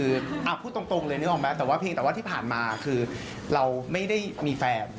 เอ้าพูดตรงเลยนึกออกไหมแต่ว่าเพลงที่ผ่านมาเราไม่ได้มีแฟน